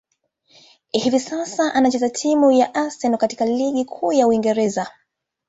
Hivi sasa, anachezea timu ya Arsenal katika ligi kuu ya Uingereza.